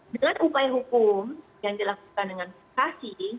dengan upaya hukum yang dilakukan dengan saksi